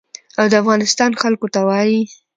او د افغانستان خلکو ته وايي.